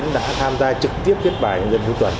đã tham gia trực tiếp viết bài nhân dân cuối tuần